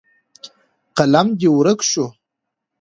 قلم دې ورک شو.